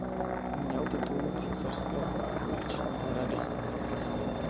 Měl titul císařského a komerčního rady.